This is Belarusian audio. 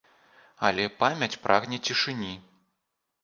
Але памяць прагне цішыні.